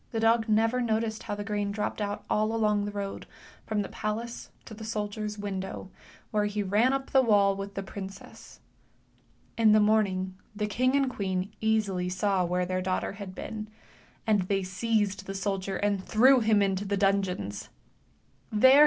dog never noticed how the grain dropped out all along the road from the palace to the soldier's window, where he ran up the wall with the princess. In the morning the king and the queen easily saw where their daughter had been, and they seized the soldier and threw i into the dungeons. Ehere